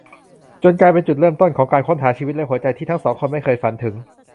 จนกลายเป็นจุดเริ่มต้นของการค้นหาชีวิตและหัวใจที่ทั้งสองคนไม่เคยฝันถึง